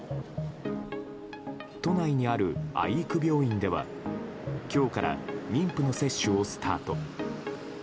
都内にある愛育病院では今日から妊婦の接種をスタート。